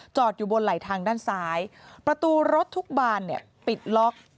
จอดอยู่บนไหล่ทางด้านซ้ายประตูรถทุกบานปิดล็อค